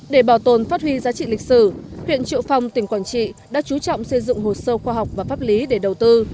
để bảo tồn phát huy giá trị lịch sử huyện triệu phong tỉnh quảng trị đã chú trọng xây dựng hồ sơ khoa học và pháp lý để đầu tư